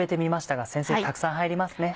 たくさん入りますね。